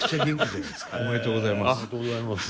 おめでとうございます。